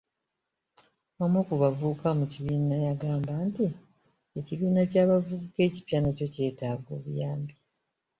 Omu ku bavubuka mu kibiina yagamba nti ekibiina ky'abavubuka ekipya nakyo kyetaaga obuyambi.